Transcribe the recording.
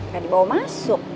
gak dibawa masuk